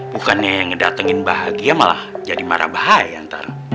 bukannya yang ngedatengin bahagia malah jadi marah bahaya antara